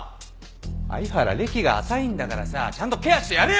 鮎原歴が浅いんだからさちゃんとケアしてやれよ！